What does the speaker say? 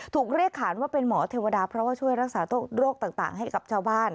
ถูกเรียกขานว่าเป็นหมอเทวดาเพราะว่าช่วยรักษาโรคต่างให้กับชาวบ้าน